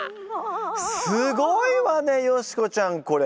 すごいわねヨシコちゃんこれ。